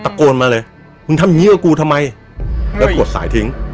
โกนมาเลยมึงทำอย่างนี้กับกูทำไมแล้วกดสายทิ้ง